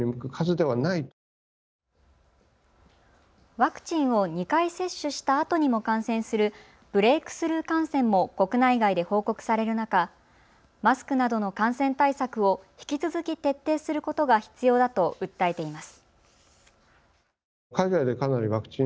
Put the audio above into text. ワクチンを２回接種したあとにも感染するブレークスルー感染も国内外で報告される中、マスクなどの感染対策を引き続き徹底することが必要だと訴えています。